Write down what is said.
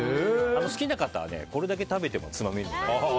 好きな方はこれだけ食べてもつまめるので。